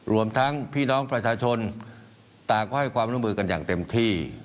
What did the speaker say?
รวมทั้งพี่น้องประชาชนต่างก็ให้ความร่วมมือกันอย่างเต็มที่